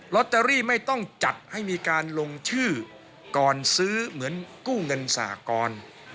ตเตอรี่ไม่ต้องจัดให้มีการลงชื่อก่อนซื้อเหมือนกู้เงินสหกร